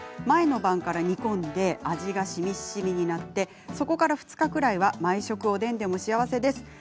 前の晩から煮込んで味がしみしみになってそこから２日ぐらいは毎食、おでんでも幸せです。